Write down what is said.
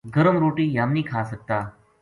گرم روٹی ہم نیہہ کھا سکتا‘‘